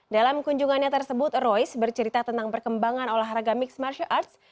dalam kunjungannya tersebut royce bercerita tentang perkembangan olahraga mixed martial arts